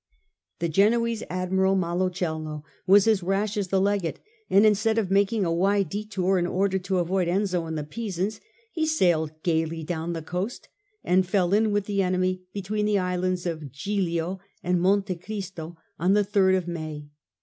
The Genoese Admiral, Malocello, was as rash as the Legate, and instead of making a wide detour in order to avoid Enzio and the Pisans, he sailed gaily down the coast and fell in with the enemy between the islands of Giglio and Monte Cristo on the 3rd of May.